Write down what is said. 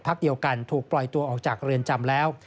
เดียวกันถูกปล่อยตัวออกจากเรือนจำแล้ว